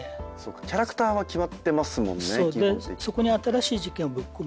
キャラクターは決まってますもんね。